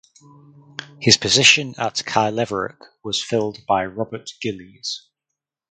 His position at Caerlaverock was filled by Robert Gillies.